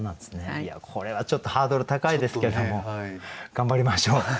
いやこれはちょっとハードル高いですけれども頑張りましょう。